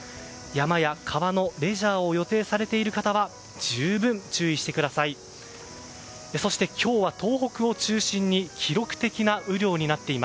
山や川のレジャーを予定されている方は十分注意してください。